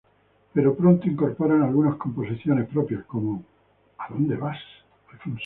Pero pronto incorporan algunos composiciones propias como "¿A dónde vas?